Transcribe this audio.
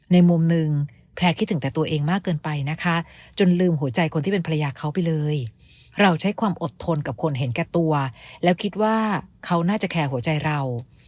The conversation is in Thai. ในมุมหนึ่งแพลร์คิดถึงแต่ตัวเองมากเกินไปนะคะจนลืมหัวใจคนที่เป็นภรรยาเขาไปเลยเราใช้ความอดทนกับคนเห็นแก่ตัวแล้วคิดว่าเขาน่าจะแคร์หัวใจเรา